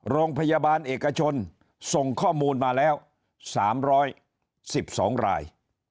โรงพยาบาลเอกชนส่งข้อมูลมาแล้ว๓๑๒ราย